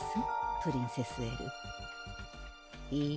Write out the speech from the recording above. プリンセス・エルいいえ